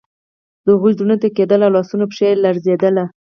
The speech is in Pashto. د هغوی زړونه ټکیدل او لاسونه او پښې یې لړزیدې